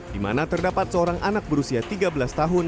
di mana terdapat seorang anak berusia tiga belas tahun